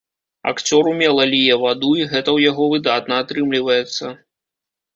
Акцёр умела ліе ваду, і гэта ў яго выдатна атрымліваецца.